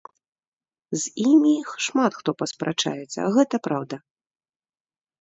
З імі шмат хто паспрачаецца, гэта праўда.